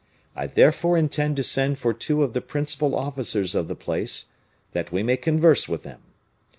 I therefore intend to send for two of the principal officers of the place, that we may converse with them.